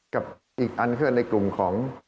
กับอีกอันคือในกลุ่มของ